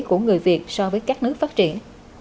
của người việt so với các nước phát triển